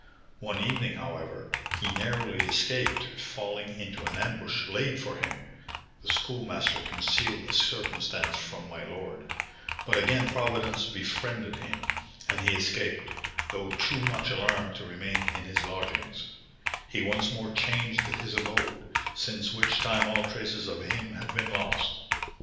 One evening, however, he narrowly escaped falling into an ambush laid for him (the Schoolmaster concealed this circumstance from my lord), but again Providence befriended him, and he escaped, though too much alarmed to remain in his lodgings; he once more changed his abode, since which time all traces of him have been lost.